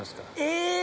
え？